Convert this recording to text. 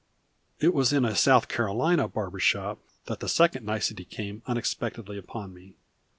It was in a South Carolina barber shop that the second nicety came unexpectedly upon me.